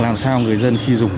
làm sao người dân khi dùng